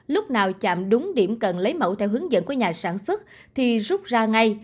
lúc nào chạm đúng điểm cần lấy mẫu theo hướng dẫn của nhà sản xuất thì rút ra ngay